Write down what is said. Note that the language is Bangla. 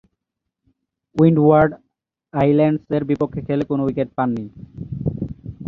উইন্ডওয়ার্ড আইল্যান্ডসের বিপক্ষে খেলে কোন উইকেট পাননি।